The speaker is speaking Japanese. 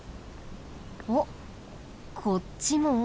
おっこっちも。